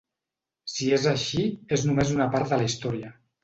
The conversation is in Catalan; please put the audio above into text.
Si és així, és només una part de la història.